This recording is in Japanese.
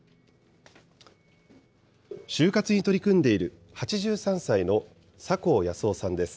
終活に取り組んでいる８３歳の酒向靖雄さんです。